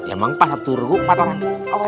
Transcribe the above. emang pas satu dua empat orang